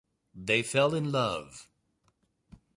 They fell in love.